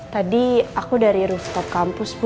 tadi aku dari roofkop kampus bu